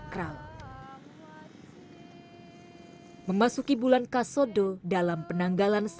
ketua pembangunan ketua pembangunan